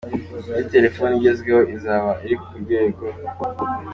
indi telefone igezweho izaba iri ku rwego.